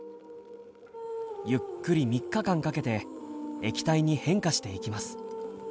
ゆっくり３日間かけて液体に変化していきます。